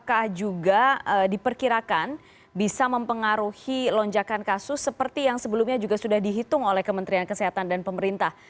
apakah juga diperkirakan bisa mempengaruhi lonjakan kasus seperti yang sebelumnya juga sudah dihitung oleh kementerian kesehatan dan pemerintah